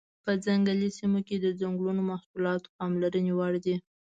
په ځنګلي سیمو کې د ځنګلونو محصولات پاملرنې وړ دي.